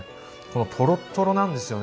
トロットロなんですよね